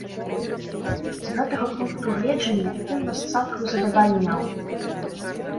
З гэтага пункту гледжання ён нас цалкам задавальняў.